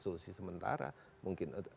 solusi sementara mungkin